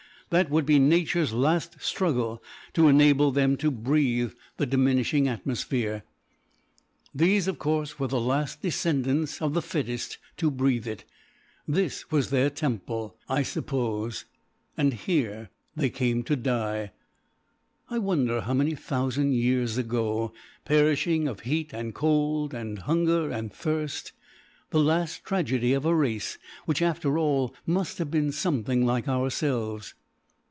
That would be Nature's last struggle to enable them to breathe the diminishing atmosphere. These, of course, were the last descendants of the fittest to breathe it; this was their temple, I suppose, and here they came to die I wonder how many thousand years ago perishing of heat, and cold, and hunger, and thirst; the last tragedy of a race, which, after all, must have been something like ourselves."